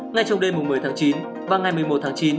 ngay trong đêm một mươi tháng chín và ngày một mươi một tháng chín